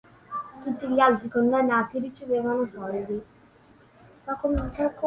Tutti gli altri condannati ricevevano soldi.